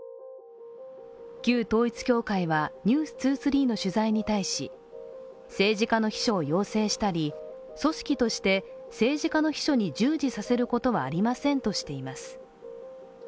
旧統一教会は「ｎｅｗｓ２３」の取材に対し政治家の秘書を養成したり、組織として政治家の秘書に従事させることはありませんとしています。